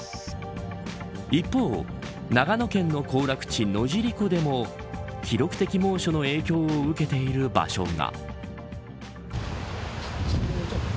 一方、長野県の行楽地野尻湖でも記録的猛暑の影響を受けている場所が。